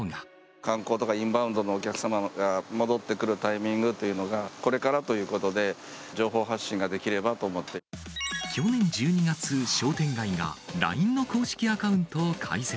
観光とかインバウンドのお客様が戻ってくるタイミングというのが、これからということで、去年１２月、商店街がＬＩＮＥの公式アカウントを開設。